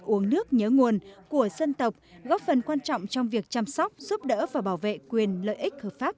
uống nước nhớ nguồn của dân tộc góp phần quan trọng trong việc chăm sóc giúp đỡ và bảo vệ quyền lợi ích hợp pháp